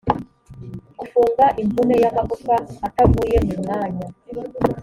gufunga imvune y’amagufwa atavuye mu mwanya